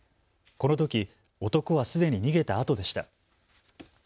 このとき男はすでに逃げたあとでした。